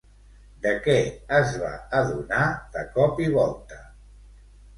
De què es va adonar de cop i volta?